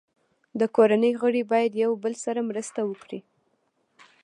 د کورنۍ غړي باید یو بل سره مرسته وکړي.